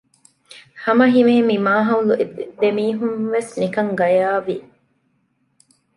ހަމަހިމޭން މި މާހައުލު ދެމީހުންވެސް ނިކަން ގަޔާވި